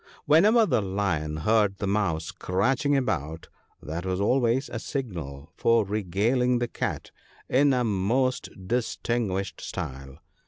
Whenever the Lion heard the mouse scratching about, that was always a signal for regaling the Cat in a most distinguished style.